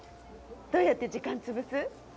どうやって時間潰す？